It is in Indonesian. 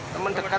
teman dekat apa